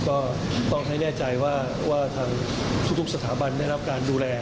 ก็ต้องให้แน่ใจว่าทางทุกสถาบันได้รับการดูแล